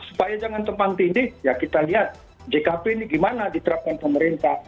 supaya jangan tumpang tindih ya kita lihat jkp ini gimana diterapkan pemerintah